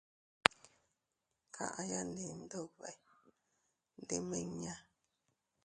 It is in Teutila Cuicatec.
Kaʼya ndi Iyndube, ndimiña.